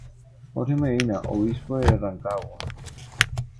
Jorge Medina, Obispo de Rancagua.